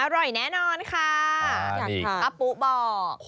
อร่อยแน่นอนค่ะอันนี้กระปุบอก